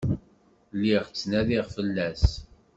Lliɣ ttnadiɣ fell-as.